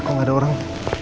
kok gak ada orang